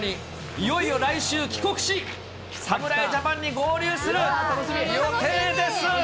いよいよ来週帰国し、侍ジャパンに合流する予定です。